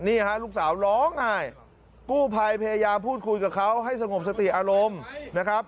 นี่ฮะลูกสาวร้องไห้กู้ภัยพยายามพูดคุยกับเขาให้สงบสติอารมณ์นะครับ